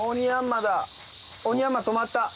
オニヤンマ止まった！